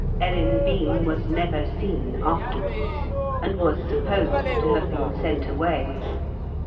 Ellen Bean was never seen afterwards, and was supposed to have been sent away.